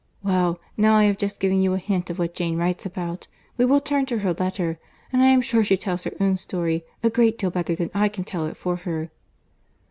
Well, now I have just given you a hint of what Jane writes about, we will turn to her letter, and I am sure she tells her own story a great deal better than I can tell it for her."